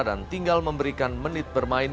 dan tinggal memberikan menit bermain